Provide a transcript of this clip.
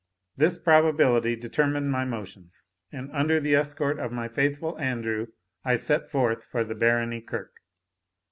This probability determined my motions, and under the escort of my faithful Andrew, I set forth for the Barony Kirk.